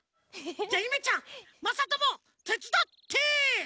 じゃゆめちゃんまさともてつだって！